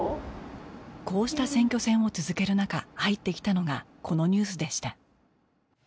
こうした選挙戦を続けるなか入ってきたのがこのニュースでした